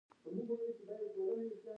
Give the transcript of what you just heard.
د پاپایا ونې په ننګرهار کې کیږي؟